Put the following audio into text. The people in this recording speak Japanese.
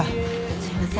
すいません。